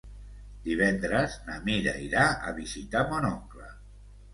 Divendres na Mira irà a visitar mon oncle.